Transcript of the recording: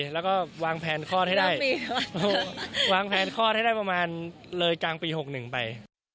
แล้วก็วางแผนคลอดให้ได้วางแผนคลอดให้ได้ประมาณเลยกลางปี๖๑ไป